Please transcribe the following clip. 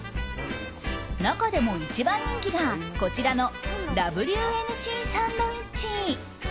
中でも一番人気がこちらのＷＮＣサンドウィッチ。